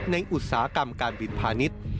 อุตสาหกรรมการบินพาณิชย์